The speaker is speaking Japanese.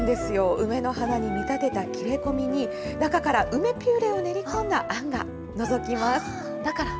梅の花に見立てた切れ込みに、中から梅ピューレを練り込んだあんがのぞきます。